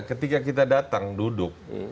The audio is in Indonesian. ketika kita datang duduk